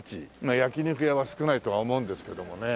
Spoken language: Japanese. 焼き肉屋は少ないとは思うんですけどもね。